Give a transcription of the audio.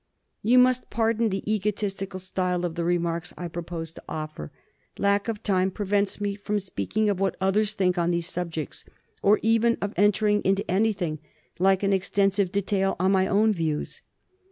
You must pardon the egotistical style of the remarks I propose to offer. Lack of time prevents me from speak ing of what others think on these subjects, or even of entering into anything like extensive detail on my own views.